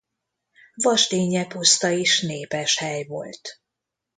Vasdinnye-puszta is népes hely volt.